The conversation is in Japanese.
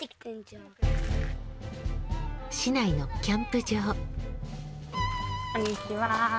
市内のキャンプ場。